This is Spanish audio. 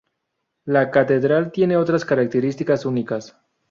La Catedral tiene otras características únicas.